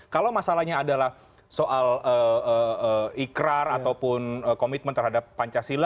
kalau masalahnya adalah soal ikrar ataupun komitmen terhadap pancasila